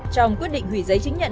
trong quyết định hủy giấy chứng nhận